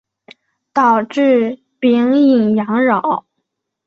导致丙寅洋扰。